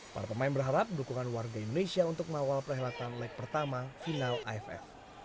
para pemain berharap dukungan warga indonesia untuk mengawal perhelatan leg pertama final aff